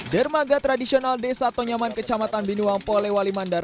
dermaga tradisional desa atau nyaman kecamatan biniwang polewali mandar